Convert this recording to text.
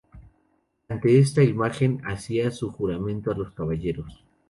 Ante esta imagen hacían su juramento los caballeros.